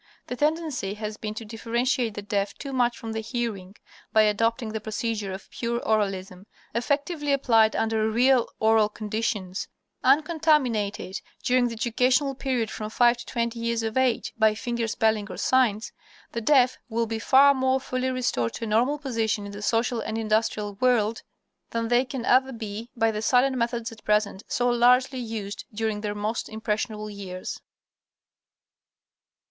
The tendency has been to differentiate the deaf too much from the hearing. By adopting the procedure of pure oralism, effectively applied under real oral conditions, uncontaminated, during the educational period from five to twenty years of age, by finger spelling or signs, the deaf will be far more fully restored to a normal position in the social and industrial world than they can ever be by the silent methods at present so largely used during their most impressionable years.